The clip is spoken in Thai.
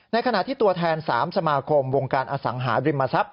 ขณะที่ตัวแทน๓สมาคมวงการอสังหาริมทรัพย